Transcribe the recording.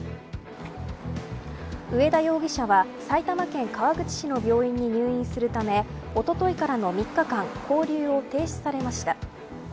上田容疑者は埼玉県川口市の病院に入院するためおとといからの３日間勾留を停止されていました。